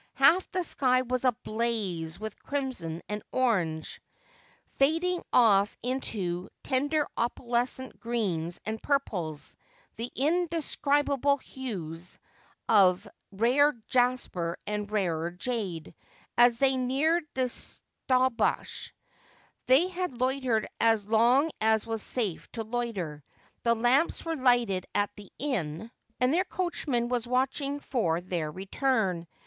Half the sky was ablaze with crimson and orange, fading off into tender opalescent greens and purples, the indescribable hues of rare jasper and rarer jade, as they neared the Staubach. They had loitered as long as it was safe to loiter. The lamps were lighted at the inn, and their coachman was watching for their return.